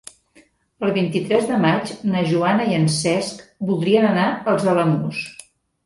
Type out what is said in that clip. El vint-i-tres de maig na Joana i en Cesc voldrien anar als Alamús.